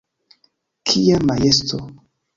Kia majesto!